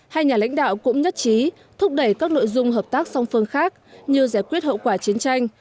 hai nhà lãnh đạo cũng nhất trí thúc đẩy các nội dung hợp tác song phương khác như giải quyết hậu quả chiến tranh